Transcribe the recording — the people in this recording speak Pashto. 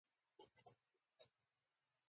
افغانستان کې مزارشریف د خلکو د خوښې وړ ځای دی.